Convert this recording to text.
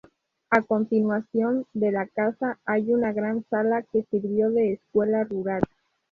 A continuación de la casa hay una gran sala, que sirvió de escuela rural.